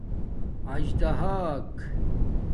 اژداھاک